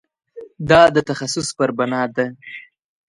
دا د تخصص پر بنا ده.